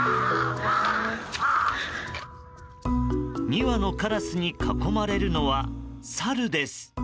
２羽のカラスに囲まれるのはサルです。